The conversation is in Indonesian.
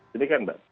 jadi kan mbak